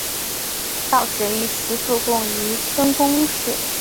少时以辞赋贡于春官氏。